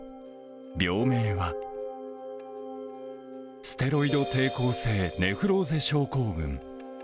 病名は、ステロイド抵抗性ネフローゼ症候群。